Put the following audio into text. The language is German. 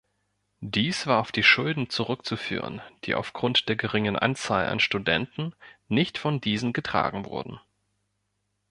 Dies war auf die Schulden zurückzuführen, die aufgrund der geringeren Anzahl an Studenten nicht von diesen getragen wurden.